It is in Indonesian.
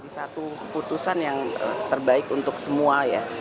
satu keputusan yang terbaik untuk semua ya